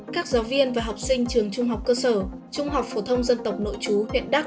các giáo viên và học sinh trường trung học cơ sở trung học phổ thông dân tộc nội chú huyện đắk